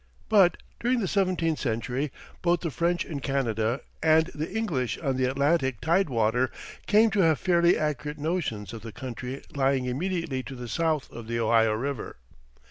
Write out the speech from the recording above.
But during the seventeenth century both the French in Canada and the English on the Atlantic tidewater came to have fairly accurate notions of the country lying immediately to the south of the Ohio River.